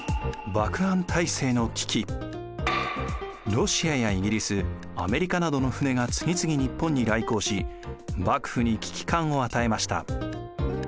ロシアやイギリスアメリカなどの船が次々日本に来航し幕府に危機感を与えました。